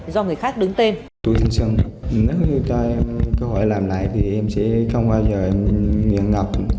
do người khác đứng tên